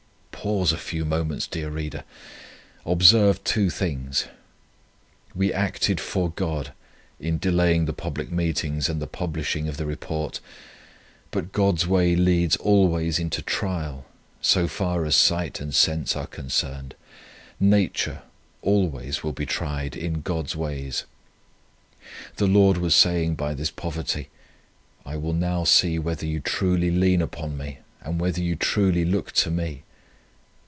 Pause a few moments, dear reader! Observe two things! We acted for God in delaying the public meetings and the publishing of the Report; but God's way leads always into trial, so far as sight and sense are concerned. Nature always will be tried in God's ways. The Lord was saying by this poverty, 'I will now see whether you truly lean upon me, and whether you truly look to me.'